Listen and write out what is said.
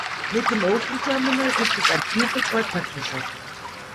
Mit dem Ocean Terminal gibt es ein Pier für Kreuzfahrtschiffe.